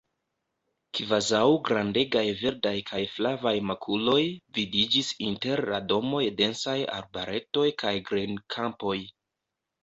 Kvazaŭ grandegaj verdaj kaj flavaj makuloj, vidiĝis inter la domoj densaj arbaretoj kaj grenkampoj.